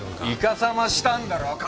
いかさましたんだろ！？